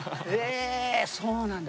えそうなんだ。